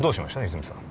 泉さん